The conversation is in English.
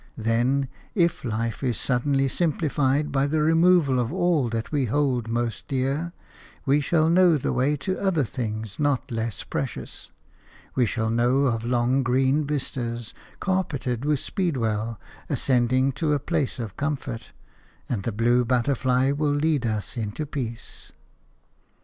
Then, if life is suddenly simplified by the removal of all that we hold most dear, we shall know the way to other things, not less precious. We shall know of long, green vistas, carpeted with speedwell, ascending to a place of comfort, and the blue butterfly will lead us into peace.